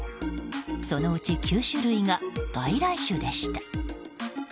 そのうち９種類が外来種でした。